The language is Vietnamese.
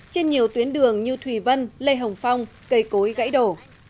trên nhiều tuyến đường như thùy vân lê hồng phong cây cối gãy đổ